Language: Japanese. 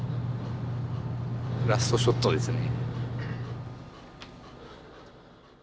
ラストショットですね。